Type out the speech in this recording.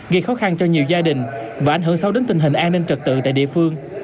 gây khó khăn cho nhiều gia đình và ảnh hưởng sâu đến tình hình an ninh trật tự tại địa phương